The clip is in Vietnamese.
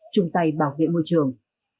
chung tay bảo vệ môi trường